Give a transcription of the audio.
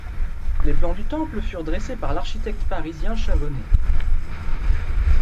Les plans du temple furent dressés par l'architecte parisien Chavonet.